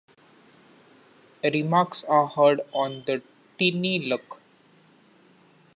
Remarks are heard on the tinny luck.